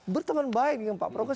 berteman baik dengan pak prabowo